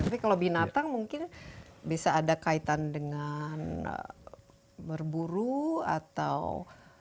tapi kalau binatang mungkin bisa ada kaitan dengan berburu atau